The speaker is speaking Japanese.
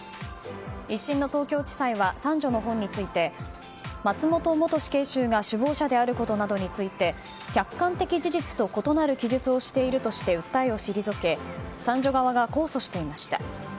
１審の東京地裁は三女の本について、松本死刑囚が首謀者であることなどについて客観的事実と異なる記述をしていると訴えを退け三女側が控訴していました。